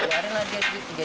keluar lah dia